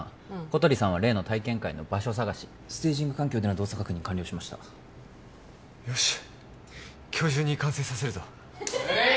小鳥さんは例の体験会の場所探しステージング環境での動作確認完了しましたよし今日中に完成させるぞウエーイ！